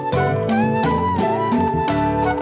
kamu buru buru enggak